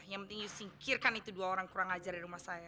yang penting singkirkan itu dua orang kurang ajar di rumah saya